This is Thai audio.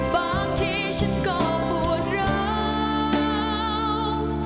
บางทีฉันก็ปวดร้าว